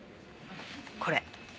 これ。